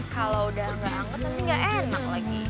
kalau udah gak hangat tapi gak enak lagi